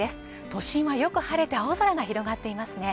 都心はよく晴れて青空が広がっていますね